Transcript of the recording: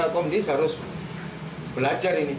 komdis harus belajar ini